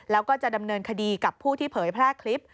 แล้วก็จะดำเนินคดีกับผู้ที่เผยแพร่คลิป